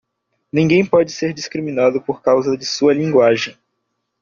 Ninguém pode ser discriminado por causa de sua linguagem.